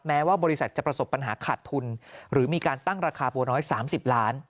แม้ว่าบริษัทจะประสบปัญหาขาดทุนหรือมีการตั้งราคาบัวน้อย๓๐ล้าน